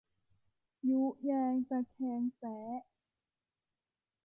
ยุแยงตะแคงแซะ